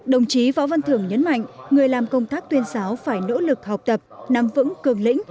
đồng chí võ văn thưởng nhấn mạnh người làm công tác tuyên giáo phải nỗ lực học tập nắm vững cường lĩnh